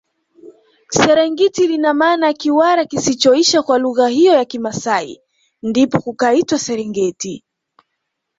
Serengiti lina maana ya Kiwara kisichoisha kwa lugha hiyo ya kimasai ndipo kukaitwa serengeti